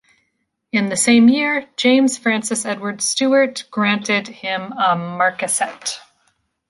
In the same year, James Francis Edward Stuart granted him a marquessate.